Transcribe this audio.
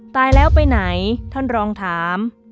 ตายแล้วไปไหนท่านรองถาม